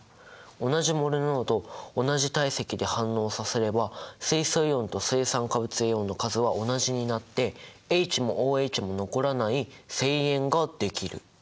同じモル濃度同じ体積で反応させれば水素イオンと水酸化物イオンの数は同じになってＨもＯＨも残らない正塩ができる。